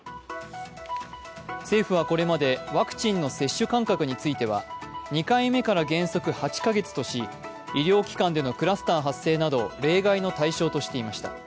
政府はこれまでワクチン接種間隔については、２回目から原則８カ月とし医療機関でのクラスター発生など例外の対象としていました。